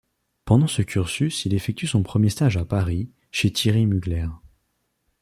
Pendant ce cursus, il effectue son premier stage à Paris, chez Thierry Mugler.